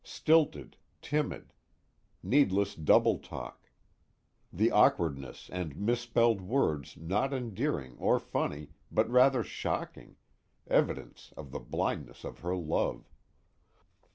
Stilted, timid; needless doubletalk; the awkwardness and misspelled words not endearing or funny but rather shocking, evidence of the blindness of her love.